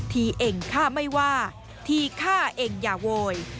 ทีเองฆ่าไม่ว่าทีฆ่าเองอย่าโวย